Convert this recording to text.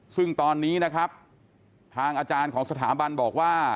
ซึ่งตอนนี้นะครับทางอาจารย์ของสถาบันบอกว่า